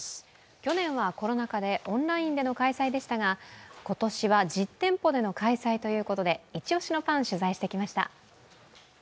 去年はコロナ禍でオンラインでの開催でしたが今年は実店舗での開催ということで一押しのパン、取材してきました。